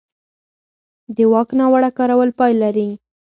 د واک ناوړه کارول پای لري